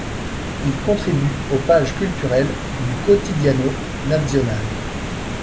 Il contribue aux pages culturelles du Quotidiano Nazionale.